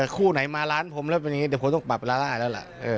คู่ไหนมาร้านผมแล้วเป็นอย่างนี้เดี๋ยวผมต้องปรับลาล่าแล้วล่ะ